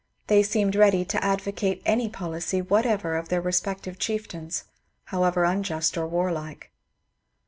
They seemed ready to advocate any pol icy whatever of their respective chieftains, however unjust or warlike.